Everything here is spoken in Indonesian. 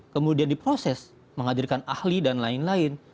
kemudian diproses menghadirkan ahli dan lain lain